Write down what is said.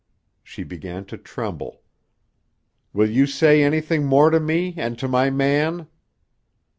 She began to tremble. "Will you say anything more to me and to my man?"